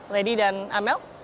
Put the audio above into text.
lady dan amel